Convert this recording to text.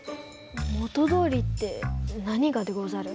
元どおりって何がでござる？